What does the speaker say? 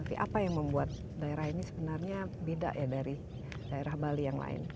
tapi apa yang membuat daerah ini sebenarnya beda ya dari daerah bali yang lain